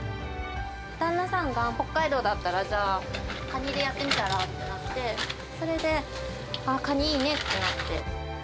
旦那さんが北海道だったら、じゃあカニでやってみたらって、それで、あー、カニいいねってなって。